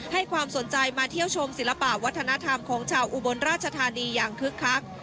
ให้ความสนใจมาเที่ยวชมศิลปะวัฒนธรรมของชาวอุบลราชธานีอย่างคึกคัก